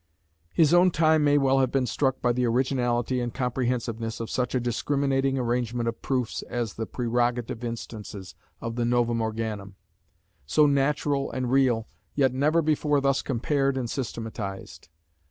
His own time may well have been struck by the originality and comprehensiveness of such a discriminating arrangement of proofs as the "Prerogative Instances" of the Novum Organum, so natural and real, yet never before thus compared and systematized.